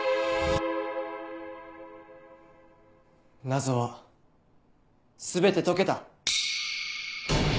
謎は全て解けた！